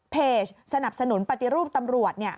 เพจสนับสนุนปฏิรูปตำรวจเนี่ย